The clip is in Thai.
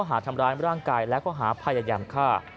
ในข้อหารทำร้ายร่างกายและข้อหาภายการฮา